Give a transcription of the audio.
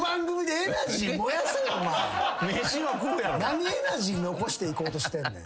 何エナジー残していこうとしてんねん。